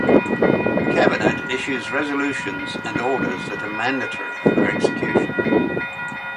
The Cabinet issues resolutions and orders that are mandatory for execution.